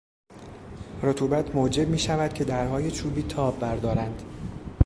رطوبت موجب میشود که درهای چوبی تاب بردارند.